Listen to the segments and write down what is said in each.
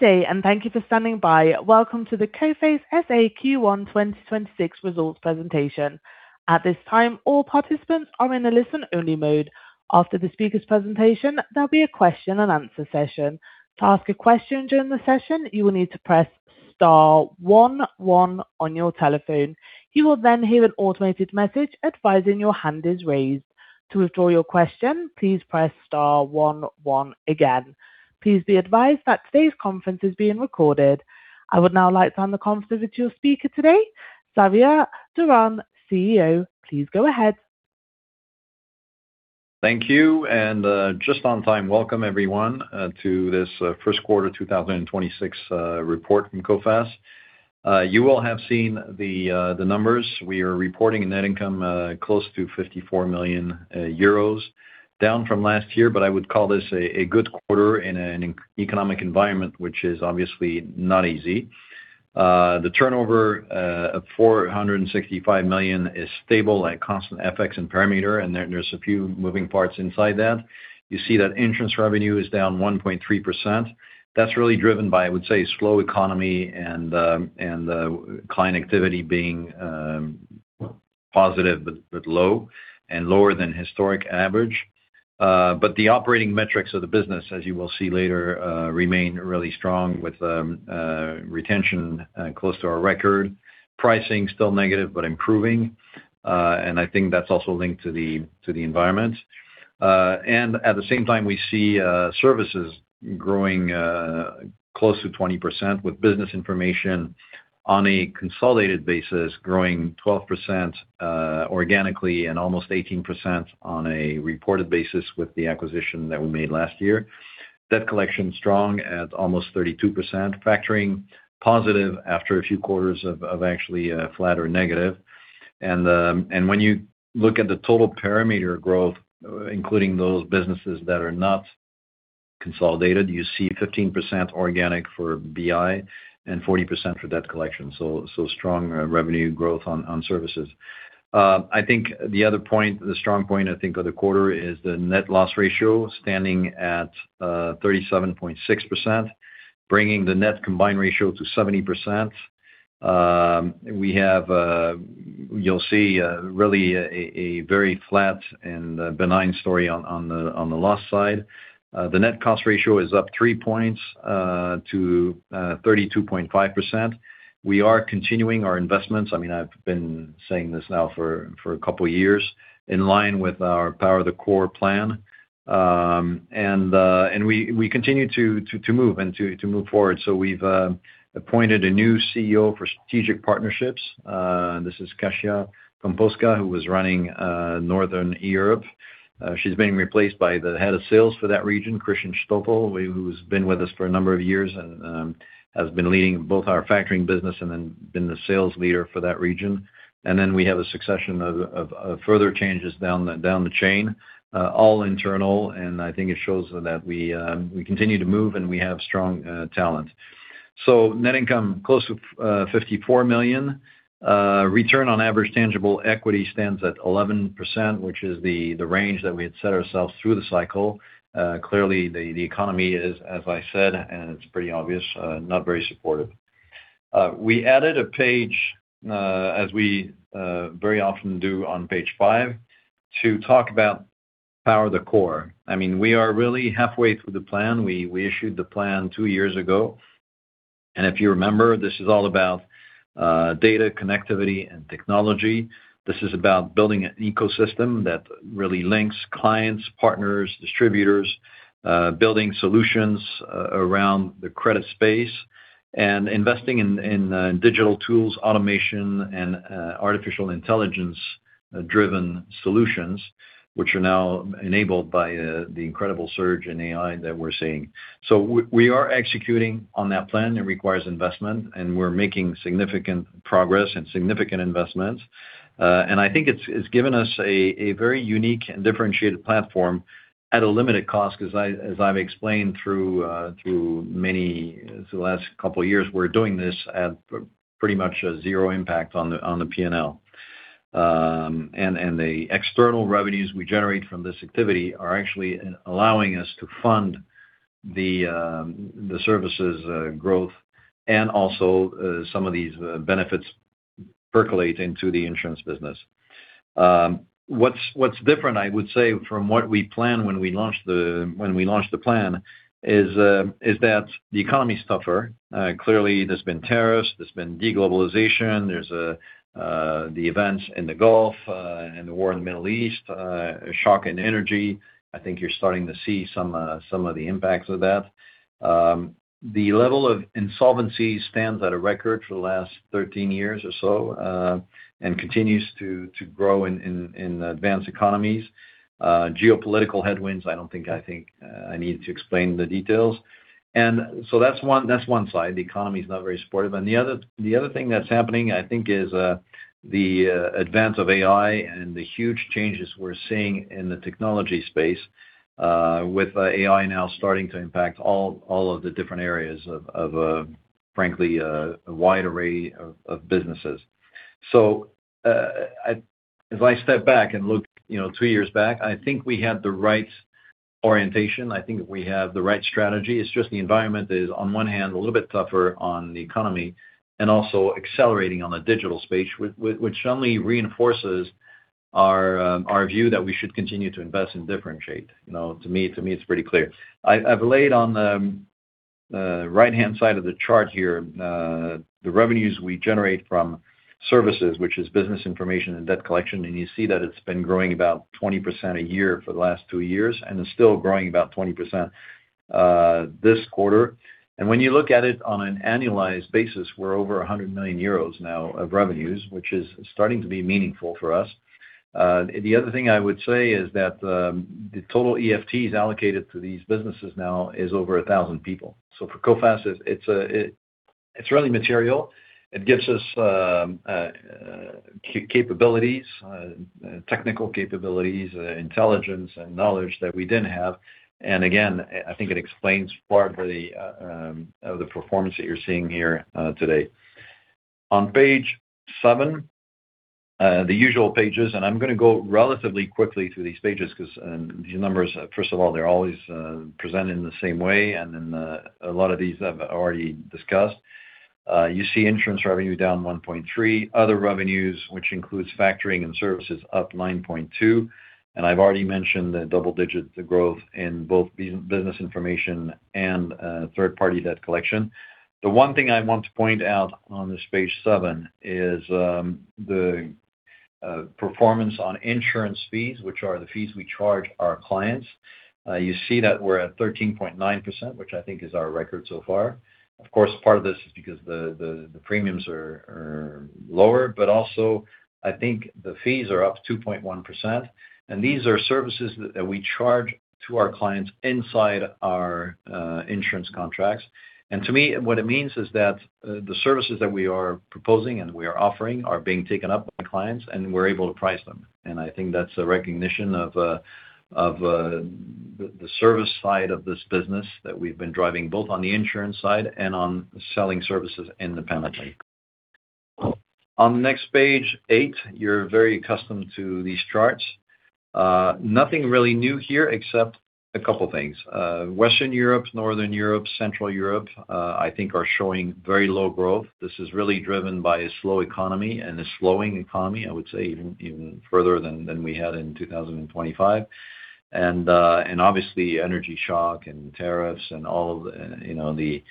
Good day, and thank you for standing by. Welcome to the Coface SA Q1 2026 results presentation. I would now like to hand the conference with your speaker today, Xavier Durand, CEO. Please go ahead. Thank you, and just on time. Welcome everyone, to this first quarter 2026 report from Coface. You all have seen the numbers. We are reporting a net income close to 54 million euros, down from last year, but I would call this a good quarter in an economic environment, which is obviously not easy. The turnover of 465 million is stable at constant FX and perimeter, and there's a few moving parts inside that. You see that insurance revenue is down 1.3%. That's really driven by, I would say, slow economy and client activity being positive but low and lower than historic average. The operating metrics of the business, as you will see later, remain really strong with retention close to our record. Pricing still negative but improving, and I think that's also linked to the environment. At the same time, we see services growing close to 20% with business information on a consolidated basis growing 12% organically and almost 18% on a reported basis with the acquisition that we made last year. Debt collection strong at almost 32%. Factoring positive after a few quarters of actually flat or negative. When you look at the total perimeter growth, including those businesses that are not consolidated, you see 15% organic for BI and 40% for debt collection. Strong revenue growth on services. I think the other point, the strong point, I think, of the quarter is the net loss ratio standing at 37.6%, bringing the net combined ratio to 70%. We have, you'll see, really a very flat and benign story on the loss side. The net cost ratio is up 3 points to 32.5%. We are continuing our investments. I mean, I've been saying this now for a couple years in line with our Power the Core plan. We continue to move and to move forward. We've appointed a new CEO of Strategic Partnerships. This is Katarzyna Kompowska, who was running Northern Europe. She's being replaced by the head of sales for that region, Christian Stoffel, who's been with us for a number of years and has been leading both our factoring business and then been the sales leader for that region. Then we have a succession of further changes down the chain, all internal, and I think it shows that we continue to move, and we have strong talent. Net income close to 54 million. Return on average tangible equity stands at 11%, which is the range that we had set ourselves through the cycle. Clearly, the economy is, as I said, and it's pretty obvious, not very supportive. We added a page, as we very often do on page 5, to talk about Power the Core. I mean, we are really halfway through the plan. We issued the plan two years ago. If you remember, this is all about data connectivity and technology. This is about building an ecosystem that really links clients, partners, distributors, building solutions around the credit space and investing in digital tools, automation and Artificial Intelligence-driven solutions, which are now enabled by the incredible surge in AI that we're seeing. We are executing on that plan. It requires investment, and we're making significant progress and significant investments. I think it's given us a very unique and differentiated platform at a limited cost 'cause I as I've explained through many through the last couple years, we're doing this at pretty much a zero impact on the P&L. The external revenues we generate from this activity are actually allowing us to fund the services growth and also some of these benefits percolate into the insurance business. What's different, I would say, from what we planned when we launched the plan is that the economy is tougher. Clearly, there's been tariffs, there's been de-globalization, there's the events in the Gulf and the war in the Middle East, a shock in energy. I think you're starting to see some of the impacts of that. The level of insolvency stands at a record for the last 13 years or so and continues to grow in advanced economies. Geopolitical headwinds, I don't think I need to explain the details. That's one side. The economy is not very supportive. The other thing that's happening, I think, is the advance of AI and the huge changes we're seeing in the technology space, with AI now starting to impact all of the different areas of Frankly, a wide array of businesses. As I step back and look, you know, 2 years back, I think we had the right orientation. I think we have the right strategy. It's just the environment is, on 1 hand, a little bit tougher on the economy and also accelerating on the digital space, which only reinforces our view that we should continue to invest and differentiate. You know, to me, it's pretty clear. I've laid on the right-hand side of the chart here, the revenues we generate from services, which is business information and debt collection. You see that it's been growing about 20% a year for the last 2 years and is still growing about 20% this quarter. When you look at it on an annualized basis, we're over 100 million euros now of revenues, which is starting to be meaningful for us. The other thing I would say is that the total FTEs allocated to these businesses now is over 1,000 people. For Coface, it's really material. It gives us capabilities, technical capabilities, intelligence and knowledge that we didn't have. Again, I think it explains part of the performance that you're seeing here today. On page 7, the usual pages, I'm gonna go relatively quickly through these pages 'cause these numbers, first of all, they're always presented in the same way, then a lot of these I've already discussed. You see insurance revenue down 1.3%. Other revenues, which includes factoring and services up 9.2%. I've already mentioned the double-digit growth in both business information and third-party debt collection. The one thing I want to point out on this page 7 is the performance on insurance fees, which are the fees we charge our clients. You see that we're at 13.9%, which I think is our record so far. Of course, part of this is because the premiums are lower, but also I think the fees are up 2.1%. These are services that we charge to our clients inside our insurance contracts. To me, what it means is that the services that we are proposing and we are offering are being taken up by clients, and we're able to price them. I think that's a recognition of the service side of this business that we've been driving, both on the insurance side and on selling services independently. On the next page, 8, you're very accustomed to these charts. Nothing really new here except a couple things. Western Europe, Northern Europe, Central Europe, I think are showing very low growth. This is really driven by a slow economy and a slowing economy, I would say even further than we had in 2025. Obviously, energy shock and tariffs and all of, you know, the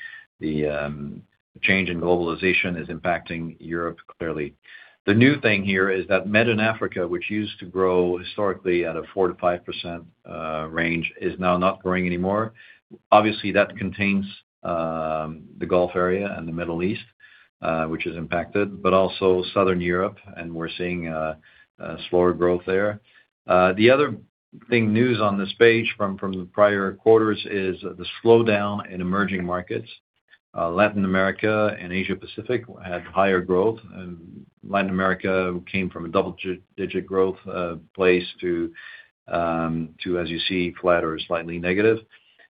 change in globalization is impacting Europe clearly. The new thing here is that Mediterranean and Africa, which used to grow historically at a 4% to 5% range, is now not growing anymore. Obviously, that contains the Gulf area and the Middle East, which is impacted, but also Southern Europe, and we're seeing slower growth there. The other big news on this page from the prior quarters is the slowdown in emerging markets. Latin America and Asia-Pacific had higher growth. Latin America came from a double-digit growth place to, as you see, flat or slightly negative.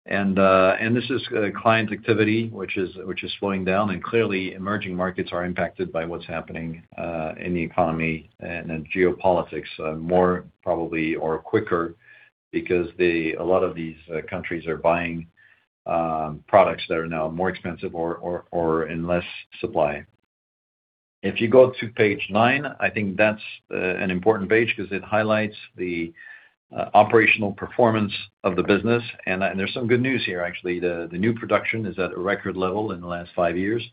This is client activity, which is slowing down, and clearly emerging markets are impacted by what's happening in the economy and in geopolitics, more probably or quicker because a lot of these countries are buying products that are now more expensive or in less supply. If you go to page 9, I think that's an important page 'cause it highlights the operational performance of the business. There's some good news here actually. The new production is at a record level in the last 5 years.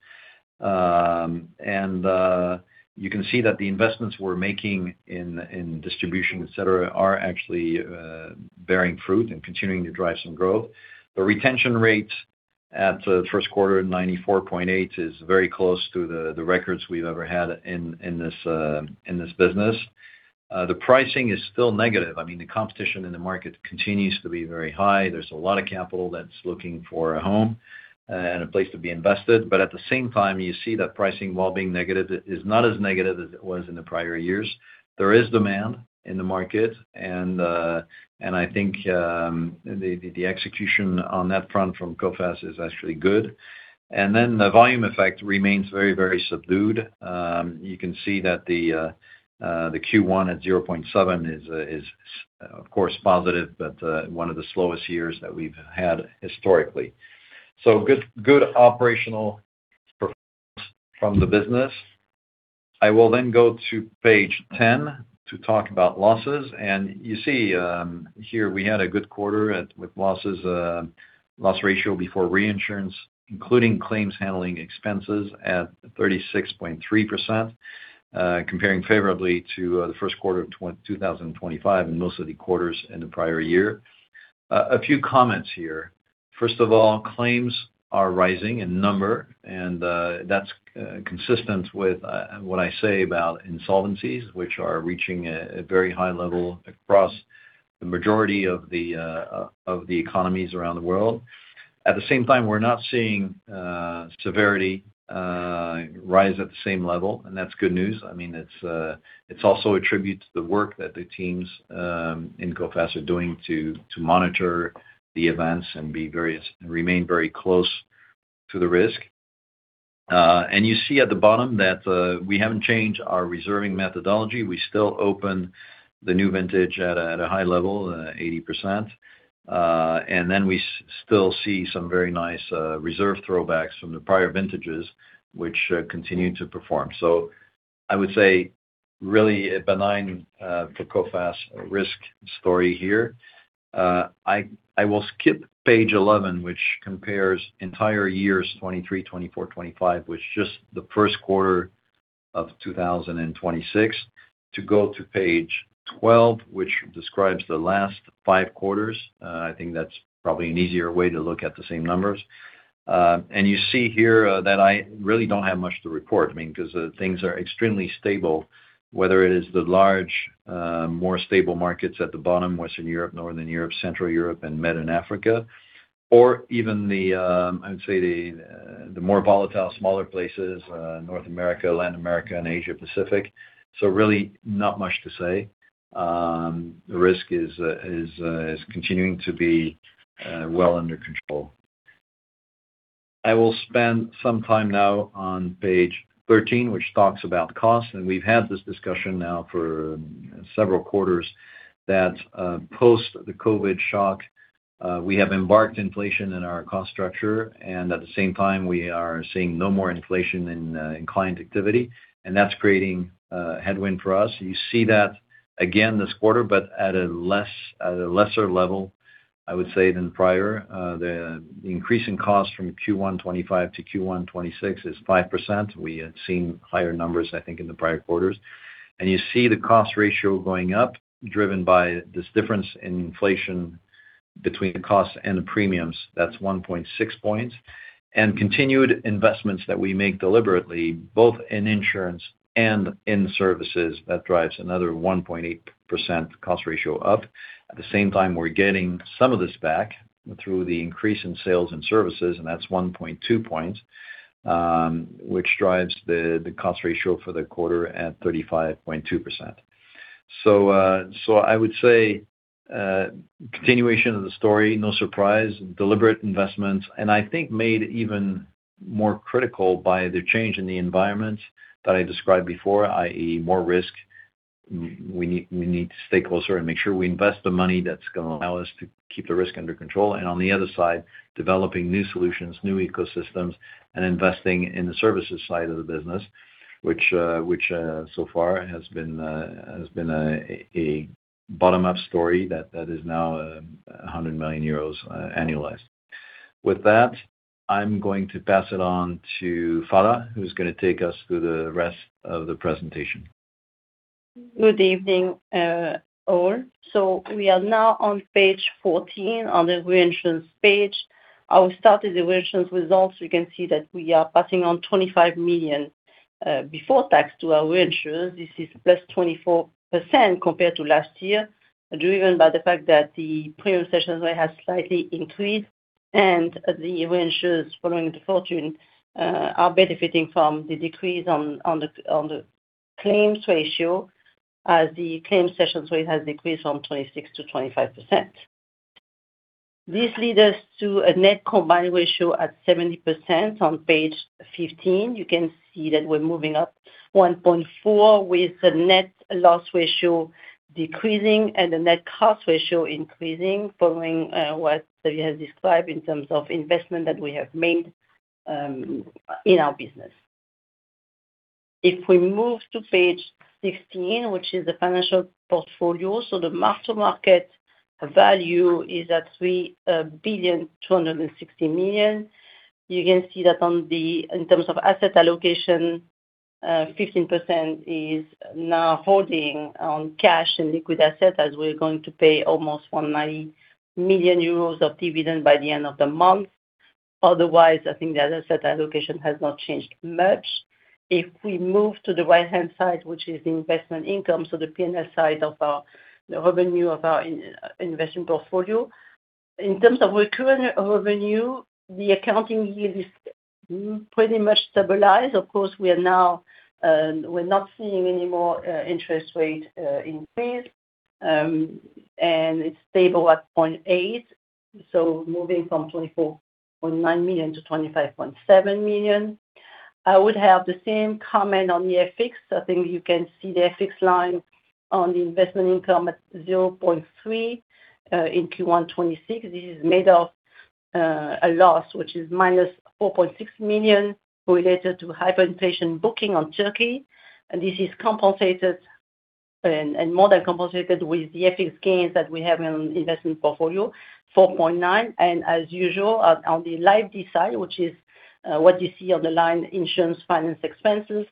You can see that the investments we're making in distribution, et cetera, are actually bearing fruit and continuing to drive some growth. The retention rate at first quarter at 94.8 is very close to the records we've ever had in this business. The pricing is still negative. I mean, the competition in the market continues to be very high. There's a lot of capital that's looking for a home and a place to be invested. At the same time, you see that pricing, while being negative, is not as negative as it was in the prior years. There is demand in the market, and I think the execution on that front from Coface is actually good. The volume effect remains very subdued. You can see that Q1 at 0.7 is, of course, positive, but one of the slowest years that we've had historically. Good operational performance from the business. I will go to page 10 to talk about losses. You see, here we had a good quarter with losses, loss ratio before reinsurance, including claims handling expenses at 36.3%, comparing favorably to the first quarter of 2025 and most of the quarters in the prior year. A few comments here. First of all, claims are rising in number, that's consistent with what I say about insolvencies, which are reaching a very high level across the majority of the economies around the world. At the same time, we're not seeing severity rise at the same level, that's good news. I mean, it's also a tribute to the work that the teams in Coface are doing to monitor the events and remain very close to the risk. You see at the bottom that we haven't changed our reserving methodology. We still open the new vintage at a high level, 80%. We still see some very nice reserve throwbacks from the prior vintages, which continue to perform. I would say really a benign for Coface risk story here. I will skip page 11, which compares entire years, 2023, 2024, 2025, with just the first quarter of 2026 to go to page 12, which describes the last 5 quarters. I think that's probably an easier way to look at the same numbers. You see here, that I really don't have much to report, I mean, 'cause things are extremely stable, whether it is the large, more stable markets at the bottom, Western Europe, Northern Europe, Central Europe and Mediterranean and Africa, or even the, I would say the more volatile, smaller places, North America, Latin America and Asia-Pacific. Really not much to say. The risk is continuing to be well under control. I will spend some time now on page 13, which talks about cost, and we've had this discussion now for several quarters that, post the COVID shock, we have embarked inflation in our cost structure, and at the same time we are seeing no more inflation in client activity, and that's creating a headwind for us. You see that again this quarter, at a lesser level, I would say, than prior. The increase in cost from Q1 2025-Q1 2026 is 5%. We had seen higher numbers, I think, in the prior quarters. You see the cost ratio going up, driven by this difference in inflation between the costs and the premiums. That's 1.6 points. Continued investments that we make deliberately, both in insurance and in services, that drives another 1.8% cost ratio up. At the same time, we're getting some of this back through the increase in sales and services, and that's 1.2 points, which drives the cost ratio for the quarter at 35.2%. I would say, continuation of the story, no surprise, deliberate investments, and I think made even more critical by the change in the environment that I described before, i.e. more risk. We need to stay closer and make sure we invest the money that's gonna allow us to keep the risk under control. On the other side, developing new solutions, new ecosystems and investing in the services side of the business, which so far has been a bottom-up story that is now 100 million euros annualized. With that, I'm going to pass it on to Phalla Gervais, who's going to take us through the rest of the presentation. Good evening, all. We are now on page 14 on the reinsurance page. I will start with the reinsurance results. You can see that we are passing on 25 million before tax to our reinsurers. This is +24% compared to last year, driven by the fact that the premium cessions rate has slightly increased and the reinsurers following the fortunes are benefiting from the decrease on the claims ratio as the claims cessions rate has decreased from 26%-25%. This leads us to a net combined ratio at 70% on page 15. You can see that we're moving up 1.4 with the net loss ratio decreasing and the net cost ratio increasing following what Xavier has described in terms of investment that we have made in our business. If we move to page 16, which is the financial portfolio. The mark to market value is at 3,260 million. You can see that in terms of asset allocation, 15% is now holding on cash and liquid assets as we're going to pay almost 190 million euros of dividend by the end of the month. I think the asset allocation has not changed much. If we move to the right-hand side, which is the investment income, the P&L side of our, the revenue of our investment portfolio. In terms of recurring revenue, the accounting yield is pretty much stabilized. Of course, we are now, we're not seeing any more interest rate increase, and it's stable at 0.8, moving from 24.9 million-25.7 million. I would have the same comment on the FX. I think you can see the FX line on the investment income at 0.3 in Q1 2026. This is made of a loss, which is -4.6 million related to hyperinflation booking on Turkey. This is compensated and more than compensated with the FX gains that we have in investment portfolio, 4.9 million. As usual, on the liability side, which is what you see on the line, insurance finance expenses,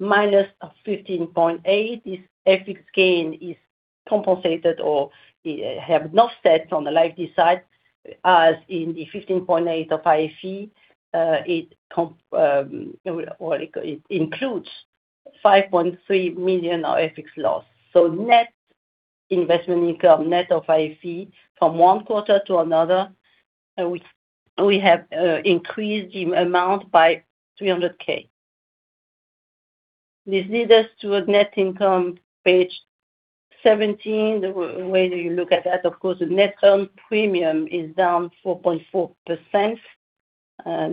-15.8 million. This FX gain is compensated or have an offset on the liability side as in the 15.8 million of IFE. Or it includes 5.3 million of FX loss. Net investment income net of IFE from one quarter to another, we have increased the amount by 300K. This leads us to a net income page 17. The way that you look at that, of course, the net term premium is down 4.4%.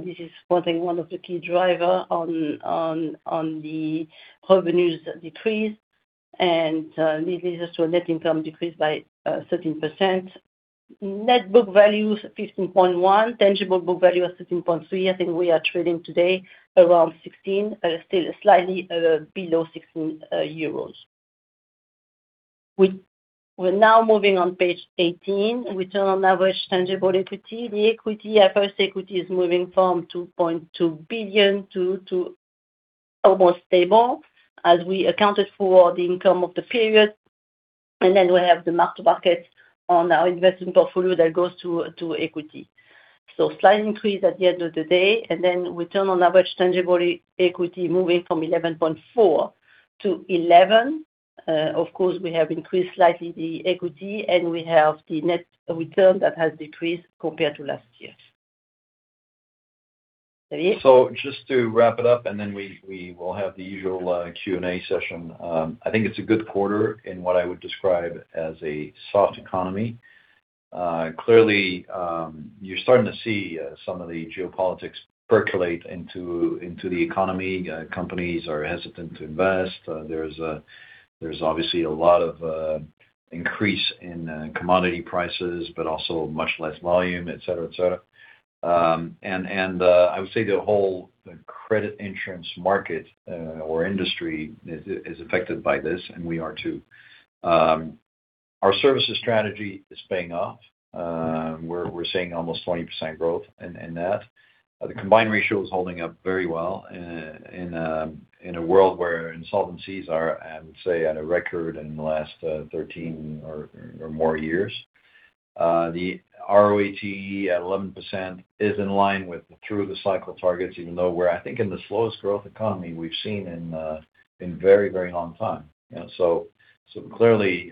This is, I think, one of the key driver on the revenues decrease. This leads us to a net income decrease by 13%. Net book values 15.1. Tangible book value is 13.3. I think we are trading today around 16, still slightly below 16 euros. We're now moving on page 18. Return on average tangible equity. The equity, our first equity is moving from 2.2 billion to almost stable as we accounted for the income of the period. We have the mark to market on our investment portfolio that goes to equity. Slight increase at the end of the day, and then return on average tangible equity moving from 11.4-11. Of course, we have increased slightly the equity, and we have the net return that has decreased compared to last year. Xavier Durand? Just to wrap it up, and then we will have the usual Q&A session. I think it's a good quarter in what I would describe as a soft economy. Clearly, you're starting to see some of the geopolitics percolate into the economy. Companies are hesitant to invest. There's obviously a lot of increase in commodity prices, but also much less volume, et cetera, et cetera. I would say the whole credit insurance market or industry is affected by this, and we are too. Our services strategy is paying off. We're seeing almost 20% growth in that. The combined ratio is holding up very well, in a world where insolvencies are, I would say, at a record in the last 13 or more years. The ROATE at 11% is in line with through-the-cycle targets, even though we're, I think, in the slowest growth economy we've seen in a very, very long time. You know, clearly,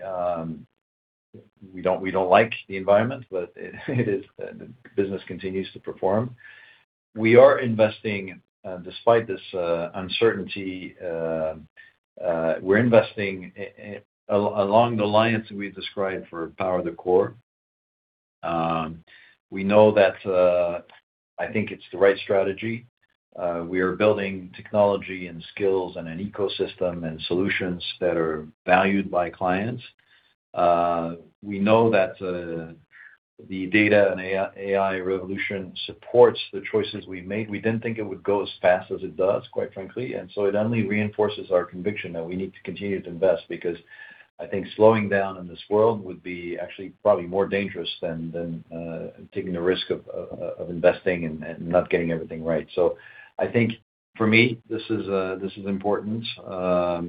we don't like the environment, but the business continues to perform. We are investing, despite this uncertainty, we're investing along the lines we've described for Power the Core. We know that I think it's the right strategy. We are building technology and skills and an ecosystem and solutions that are valued by clients. We know that the data and AI revolution supports the choices we made. We didn't think it would go as fast as it does, quite frankly. It only reinforces our conviction that we need to continue to invest, because I think slowing down in this world would be actually probably more dangerous than taking the risk of investing and not getting everything right. I think for me, this is important. We're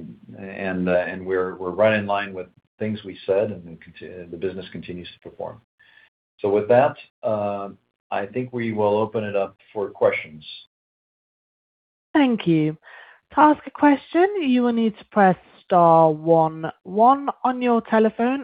right in line with things we said, the business continues to perform. With that, I think we will open it up for questions. Thank you. Your first question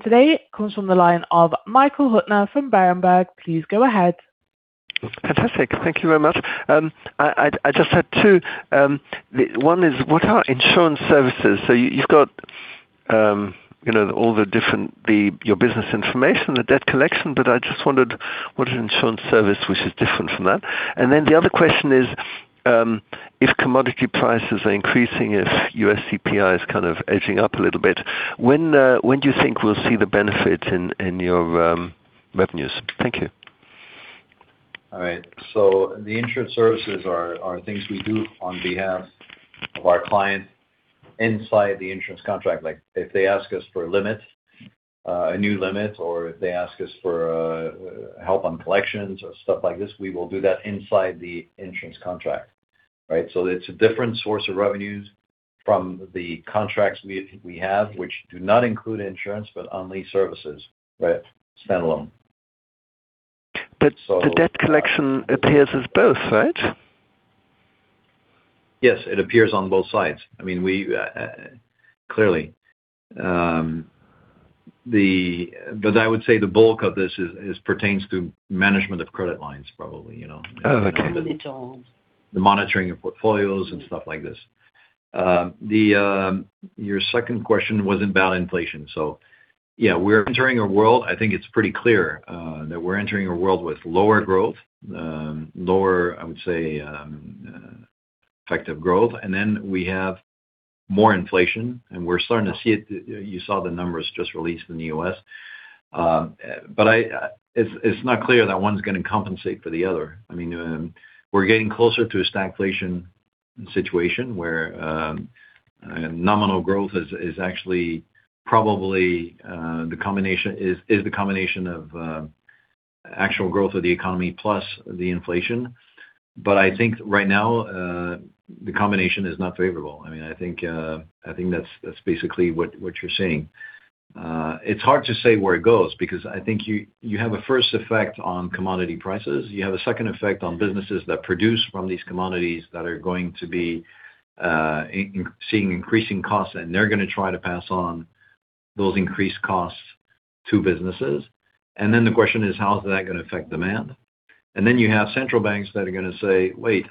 today comes from the line of Michael Huttner from Berenberg. Please go ahead. Fantastic. Thank you very much. I just had 2. One is, what are insurance services? You, you've got, you know, all the different Your business information, the debt collection, but I just wondered what an insurance service, which is different from that. The other question is, if commodity prices are increasing, if US CPI is kind of edging up a little bit, when do you think we'll see the benefit in your revenues? Thank you. All right. The insurance services are things we do on behalf of our client inside the insurance contract. If they ask us for a limit, a new limit, or if they ask us for help on collections or stuff like this, we will do that inside the insurance contract, right? It's a different source of revenues from the contracts we have, which do not include insurance, but only services, right? Standalone. The debt collection appears as both, right? Yes, it appears on both sides. I mean, we clearly. I would say the bulk of this pertains to management of credit lines, probably, you know? Oh, okay. Credit arms. The monitoring of portfolios and stuff like this. Your second question was about inflation. We're entering a world, I think it's pretty clear that we're entering a world with lower growth, lower, I would say, effective growth. We have more inflation, and we're starting to see it. You saw the numbers just released in the U.S. It's not clear that one's gonna compensate for the other. I mean, we're getting closer to a stagflation situation where nominal growth is actually probably the combination is the combination of Actual growth of the economy plus the inflation. I think right now, the combination is not favorable. I mean, I think, I think that's basically what you're seeing. It's hard to say where it goes because I think you have a first effect on commodity prices. You have a second effect on businesses that produce from these commodities that are going to be seeing increasing costs, and they're gonna try to pass on those increased costs to businesses. The question is, how is that gonna affect demand? You have central banks that are gonna say, "Wait,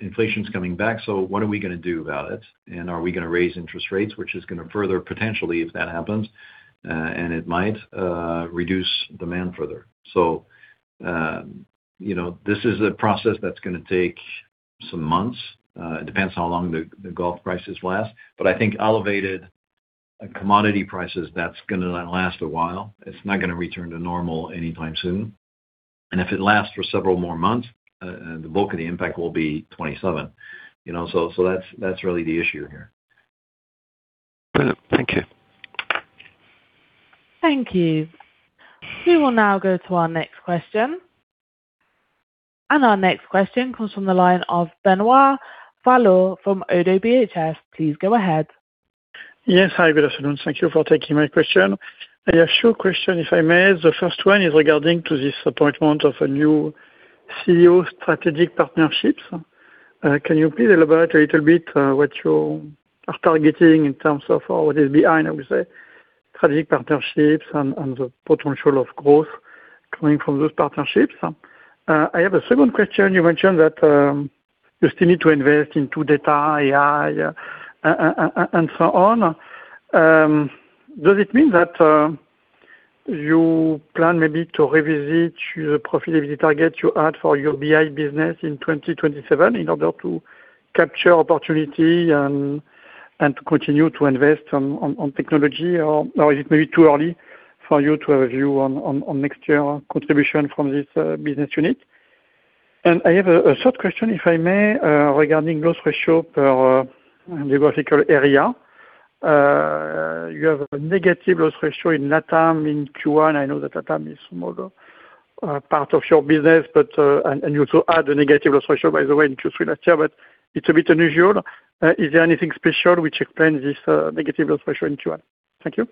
inflation's coming back, so what are we gonna do about it? Are we gonna raise interest rates?" Which is gonna further, potentially, if that happens, and it might, reduce demand further. You know, this is a process that's gonna take some months. It depends how long the Gulf crisis last. I think elevated commodity prices, that's gonna last a while. It's not gonna return to normal anytime soon. If it lasts for several more months, the bulk of the impact will be 2027. You know, so that's really the issue here. Brilliant. Thank you. Thank you. We will now go to our next question. Our next question comes from the line of Benoît Valleaux from ODDO BHF. Please go ahead. Yes. Hi, good afternoon. Thank you for taking my question. I have two question, if I may. The first one is regarding to this appointment of a new CEO of Strategic Partnerships. Can you please elaborate a little bit what you are targeting in terms of what is behind, I would say, strategic partnerships and the potential of growth coming from those partnerships? I have a second question. You mentioned that you still need to invest into data, AI, and so on. Does it mean that you plan maybe to revisit the profitability target you had for your BI business in 2027 in order to capture opportunity and to continue to invest on technology or is it maybe too early for you to review on next year contribution from this business unit? I have a third question, if I may, regarding loss ratio per geographical area. You have a negative loss ratio in LATAM in Q1. I know that LATAM is smaller part of your business, you also had a negative loss ratio, by the way, in Q3 last year, but it's a bit unusual. Is there anything special which explains this negative loss ratio in Q1? Thank you.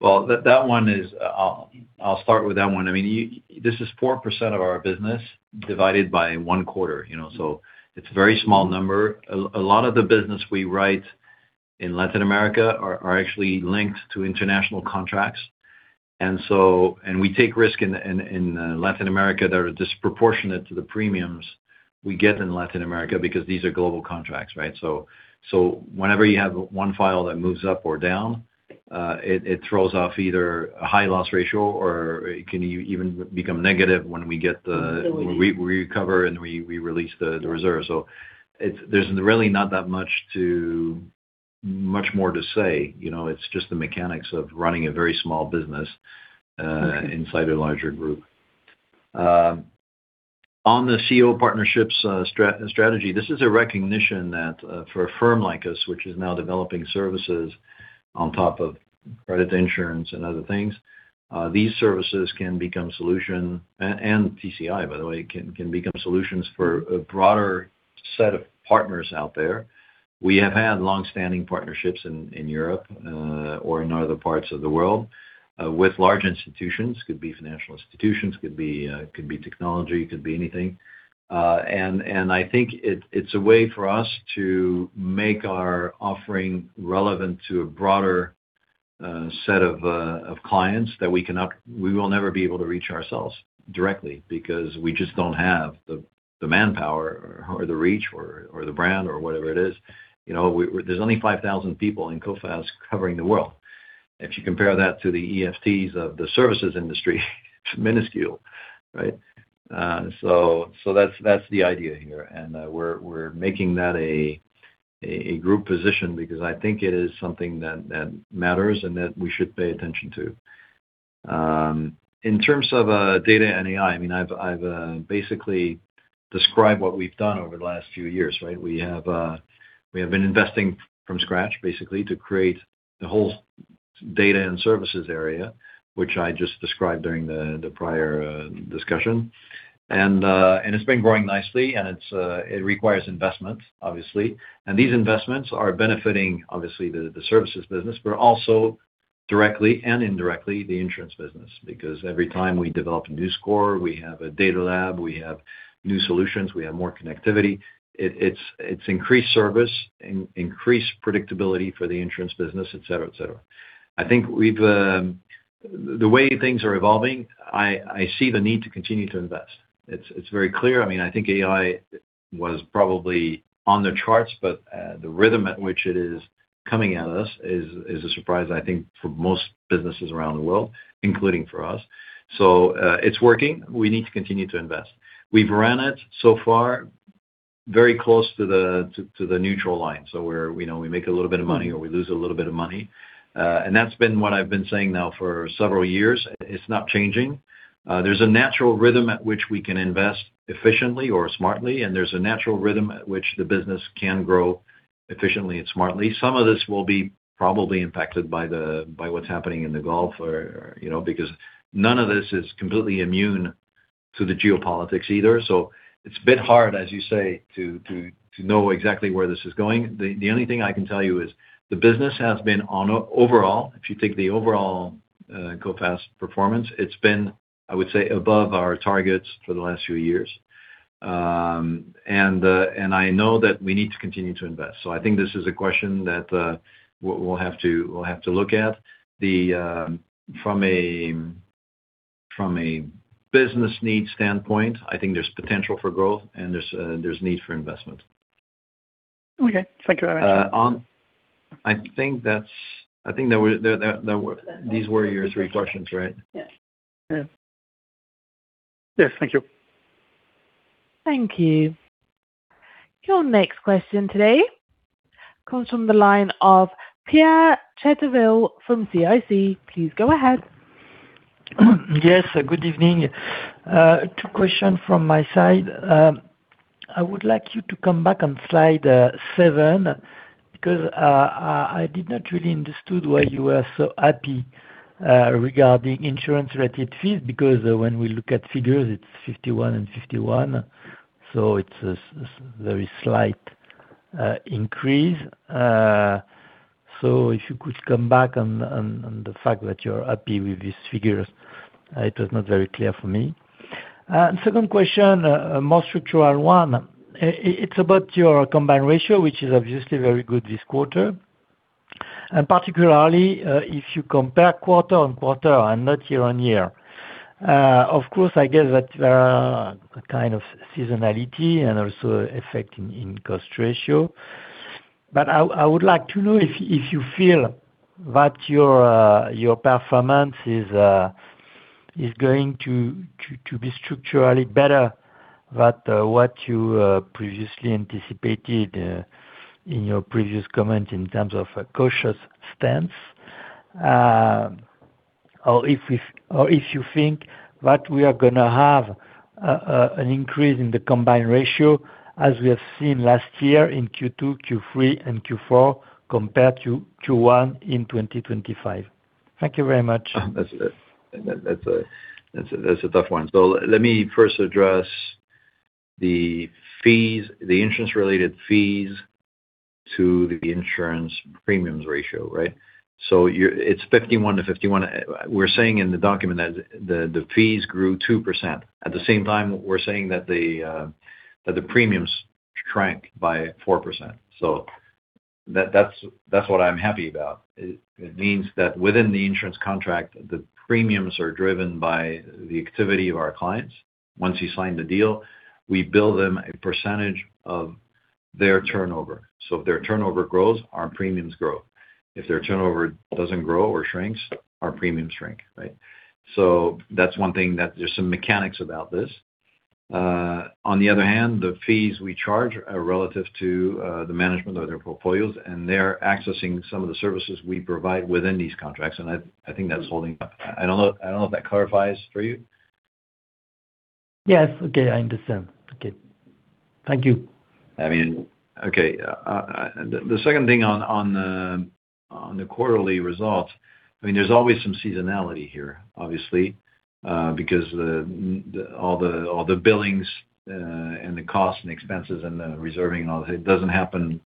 Well, that one is, I'll start with that one. I mean, this is 4% of our business divided by one quarter, you know, so it's a very small number. A lot of the business we write in Latin America are actually linked to international contracts. We take risk in Latin America that are disproportionate to the premiums we get in Latin America because these are global contracts, right? Whenever you have one file that moves up or down, it throws off either a high loss ratio or it can even become negative when we get the. We recover and we release the reserve. There's really not that much more to say, you know. It's just the mechanics of running a very small business. Okay. -inside a larger group. On the CEO partnerships strategy, this is a recognition that for a firm like us, which is now developing services on top of credit insurance and other things, these services can become solution and TCI, by the way, can become solutions for a broader set of partners out there. We have had long-standing partnerships in Europe or in other parts of the world with large institutions. Could be financial institutions, could be technology, could be anything. And I think it's a way for us to make our offering relevant to a broader set of clients that we will never be able to reach ourselves directly because we just don't have the manpower or the reach or the brand or whatever it is. You know, there's only 5,000 people in Coface covering the world. If you compare that to the FTEs of the services industry, it's minuscule, right? That's the idea here. We're making that a group position because I think it is something that matters and that we should pay attention to. In terms of data and AI, I mean, I've basically described what we've done over the last few years, right? We have been investing from scratch, basically, to create the whole data and services area, which I just described during the prior discussion. It's been growing nicely and it requires investment, obviously. These investments are benefiting obviously the services business, but also directly and indirectly the insurance business. Every time we develop a new score, we have a Data Lab, we have new solutions, we have more connectivity. It's increased service, increased predictability for the insurance business, et cetera, et cetera. I think we've, the way things are evolving, I see the need to continue to invest. It's very clear. I mean, I think AI was probably on the charts, but the rhythm at which it is coming at us is a surprise, I think, for most businesses around the world, including for us. It's working. We need to continue to invest. We've ran it so far very close to the neutral line. We're, you know, we make a little bit of money or we lose a little bit of money. That's been what I've been saying now for several years. It's not changing. There's a natural rhythm at which we can invest efficiently or smartly, and there's a natural rhythm at which the business can grow efficiently and smartly. Some of this will be probably impacted by what's happening in the Gulf or, you know, because none of this is completely immune to the geopolitics either. It's a bit hard, as you say, to know exactly where this is going. The only thing I can tell you is the business has been on overall, if you take the overall Coface performance, it's been, I would say, above our targets for the last few years. I know that we need to continue to invest. I think this is a question that we'll have to look at. The from a business need standpoint, I think there's potential for growth and there's need for investment. Okay. Thank you very much. I think these were your three questions, right? Yes. Yeah. Yes. Thank you. Thank you. Your next question today comes from the line of Pierre Chédeville from CIC. Please go ahead. Yes. Good evening. Two questions from my side. I would like you to come back on slide 7 because I did not really understood why you were so happy regarding insurance-related fees because when we look at figures it's 51 and 51, so it's a very slight increase. If you could come back on the fact that you're happy with these figures, it was not very clear for me. Second question, a more structural one. It's about your combined ratio, which is obviously very good this quarter. Particularly, if you compare quarter-on-quarter and not year-on-year. Of course, I get that kind of seasonality and also effect in cost ratio. I would like to know if you feel that your performance is going to be structurally better than what you previously anticipated in your previous comment in terms of a cautious stance. Or if you think that we are gonna have an increase in the combined ratio as we have seen last year in Q2, Q3 and Q4, compared to Q1 in 2025. Thank you very much. That's a tough one. Let me first address the fees, the insurance-related fees to the insurance premiums ratio, right? It's 51 to 51. We're saying in the document that the fees grew 2%. At the same time, we're saying that the premiums shrank by 4%. That's what I'm happy about. It means that within the insurance contract, the premiums are driven by the activity of our clients. Once you sign the deal, we bill them a percentage of their turnover. If their turnover grows, our premiums grow. If their turnover doesn't grow or shrinks, our premiums shrink, right? That's one thing that there's some mechanics about this. On the other hand, the fees we charge are relative to the management of their portfolios, and they're accessing some of the services we provide within these contracts. I think that's holding up. I don't know if that clarifies for you. Yes. Okay, I understand. Okay. Thank you. I mean, okay. The second thing on the quarterly results, I mean, there is always some seasonality here, obviously, because all the billings and the costs and expenses and the reserving and all, it doesn't happen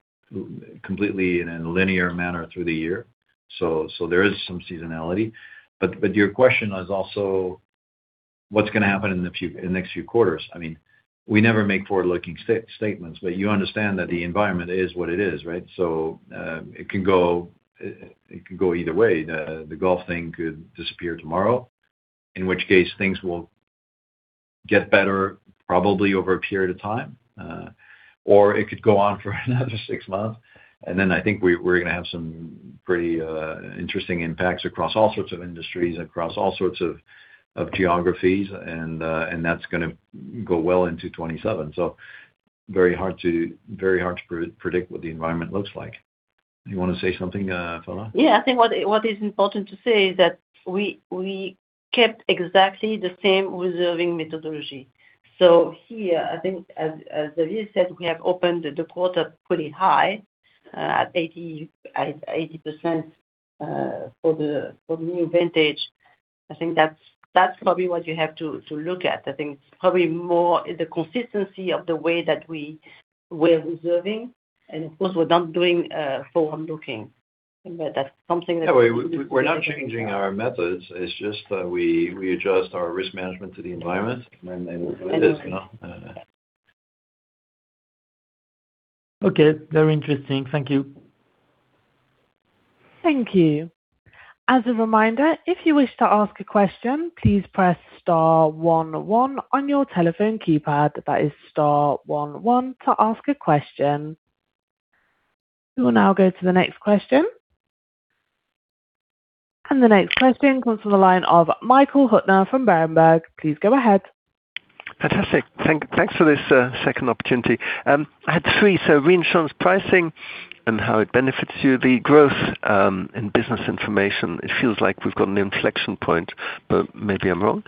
completely in a linear manner through the year. There is some seasonality. Your question was also what's gonna happen in the next few quarters. I mean, we never make forward-looking statements, but you understand that the environment is what it is, right? It can go either way. The Gulf thing could disappear tomorrow, in which case things will get better probably over a period of time, or it could go on for another six months. I think we're gonna have some pretty interesting impacts across all sorts of industries, across all sorts of geographies, and that's gonna go well into 2027. Very hard to predict what the environment looks like. You want to say something, Phalla? Yeah. I think what is important to say is that we kept exactly the same reserving methodology. Here, I think as Xavier Durand said, we have opened the quarter pretty high, at 80%, for the new vintage. I think that's probably what you have to look at. I think probably more the consistency of the way that we were reserving, and of course, we're not doing forward-looking. Yeah. We're not changing our methods. It's just that we adjust our risk management to the environment. Anyway. You know? Okay. Very interesting. Thank you. Thank you. As a reminder, if you wish to ask a question, please press star 11 on your telephone keypad. That is star 11 to ask a question. We will now go to the next question. The next question comes from the line of Michael Huttner from Berenberg. Please go ahead. Fantastic. Thanks for this second opportunity. I had three. Reinsurance pricing and how it benefits you, the growth, and business information. It feels like we've got an inflection point, but maybe I'm wrong.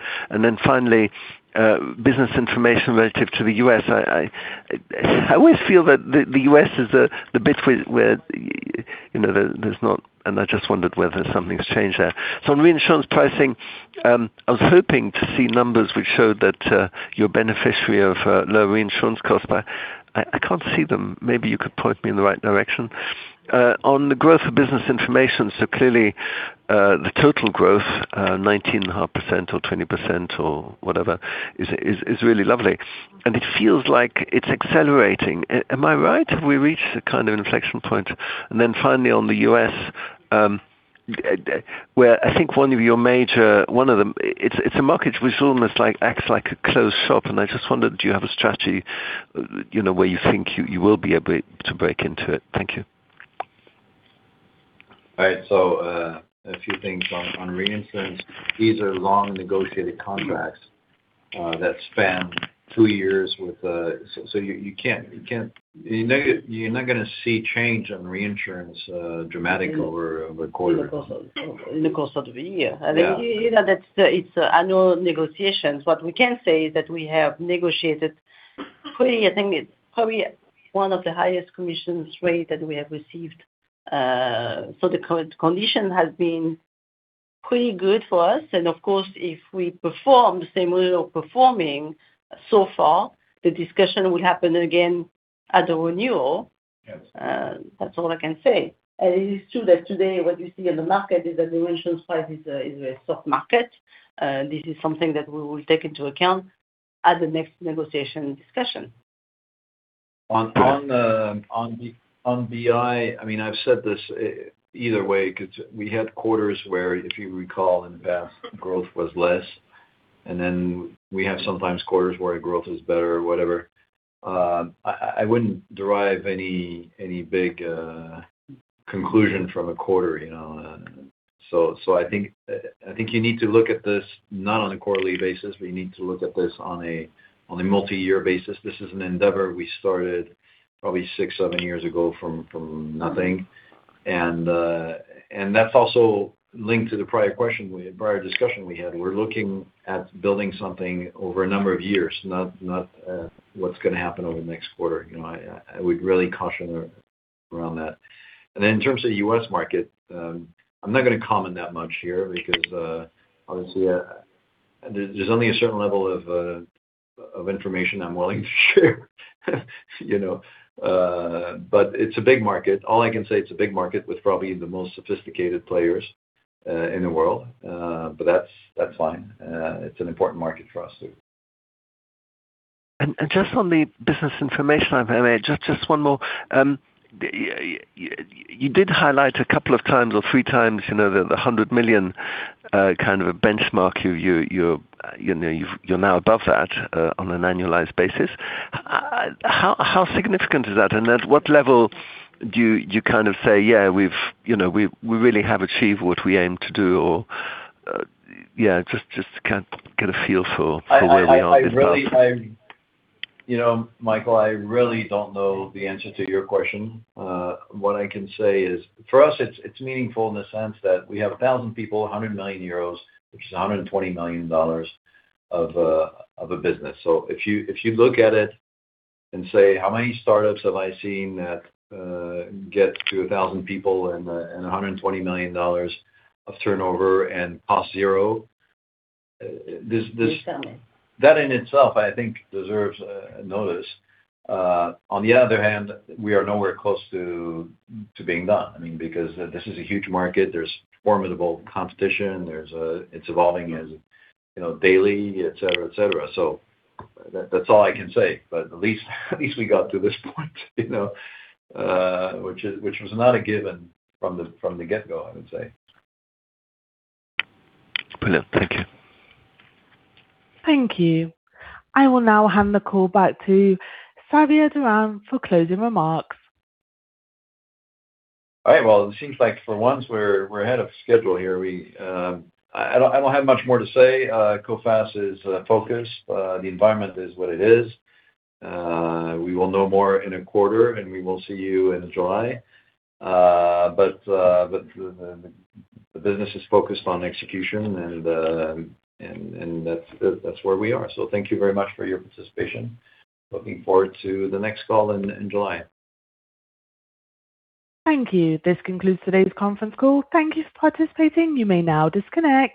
Finally, business information relative to the U.S. I always feel that the U.S. is the bit where, you know, there's not. I just wondered whether something's changed there. On reinsurance pricing, I was hoping to see numbers which showed that you're beneficiary of low reinsurance costs, but I can't see them. Maybe you could point me in the right direction. On the growth of business information, clearly, the total growth, 19.5% or 20% or whatever is really lovely, and it feels like it's accelerating. Am I right? Have we reached a kind of inflection point? Finally on the U.S., where I think one of them, it's a market which almost like acts like a closed shop. I just wondered, do you have a strategy, you know, where you think you will be able to break into it? Thank you. All right. A few things on reinsurance. These are long negotiated contracts that span two years with, you're not gonna see change on reinsurance dramatic over a quarter. In the course of a year. Yeah. I mean, you know, that's it's annual negotiations. What we can say is that we have negotiated pretty, I think, probably one of the highest commissions rate that we have received. The current condition has been pretty good for us. Of course, if we perform the same way we are performing so far, the discussion will happen again at the renewal. Yes. That's all I can say. It is true that today what you see in the market is that the reinsurance price is a soft market. This is something that we will take into account at the next negotiation discussion. On BI, I mean, I've said this either way, 'cause we had quarters where, if you recall in the past, growth was less, then we have sometimes quarters where growth is better or whatever. I wouldn't derive any big conclusion from a quarter, you know. I think you need to look at this not on a quarterly basis. We need to look at this on a multi-year basis. This is an endeavor we started probably 6, 7 years ago from nothing. That's also linked to the prior question, prior discussion we had. We're looking at building something over a number of years, not what's gonna happen over the next quarter. You know, I would really caution around that. In terms of the U.S. market, I'm not gonna comment that much here because, obviously, there's only a certain level of information I'm willing to share, you know. It's a big market. All I can say it's a big market with probably the most sophisticated players in the world. That's, that's fine. It's an important market for us, too. Just on the business information, if I may, just one more. You did highlight a couple of times or three times, you know, the 100 million kind of a benchmark. You're, you know, you're now above that on an annualized basis. How significant is that? At what level do you kind of say, "Yeah, we've, you know, we really have achieved what we aim to do," or, Yeah, just to kind of get a feel for where we are with that. You know, Michael Huttner, I really don't know the answer to your question. What I can say is for us it's meaningful in the sense that we have 1,000 people, 100 million euros, which is $120 million of a business. If you look at it and say, how many startups have I seen that get to 1,000 people and $120 million of turnover and past zero? Few families. That in itself, I think deserves notice. On the other hand, we are nowhere close to being done, I mean, because this is a huge market. There's formidable competition. There's It's evolving as, you know, daily, et cetera, et cetera. That's all I can say. At least we got to this point, you know, which was not a given from the get-go, I would say. Brilliant. Thank you. Thank you. I will now hand the call back to Xavier Durand for closing remarks. All right. It seems like for once we're ahead of schedule here. I don't have much more to say. Coface is focused. The environment is what it is. We will know more in a quarter, and we will see you in July. The business is focused on execution, and that's where we are. Thank you very much for your participation. Looking forward to the next call in July. Thank you. This concludes today's conference call. Thank you for participating. You may now disconnect.